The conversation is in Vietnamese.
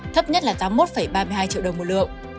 thấp nhất là tám mươi một ba mươi hai triệu đồng một lượng